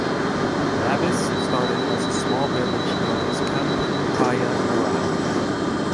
Labis started as a small village known as Kampung Paya Merah.